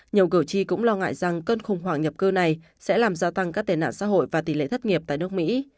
nhiều cử tri cũng lo ngại rằng cơn khủng hoảng nhập cư này sẽ làm gia tăng các tệ nạn xã hội và tỷ lệ thất nghiệp tại nước mỹ